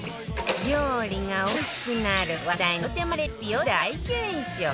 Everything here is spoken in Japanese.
料理がおいしくなる話題のひと手間レシピを大検証